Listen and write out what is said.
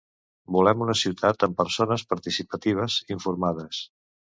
Volem una ciutat amb persones participatives, informades.